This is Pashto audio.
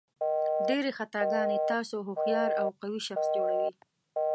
ډېرې خطاګانې تاسو هوښیار او قوي شخص جوړوي.